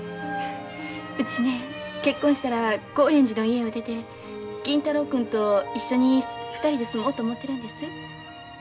うちね結婚したら興園寺の家を出て金太郎君と一緒に２人で住もうと思ってるんです。